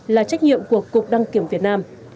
là trách nhiệm của cục đăng kiểm việt nam